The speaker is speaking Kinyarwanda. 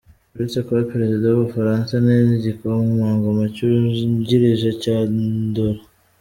Uretse kuba perezida w’ubufaransa ni n’igikomangoma cyungirije cya Andorra.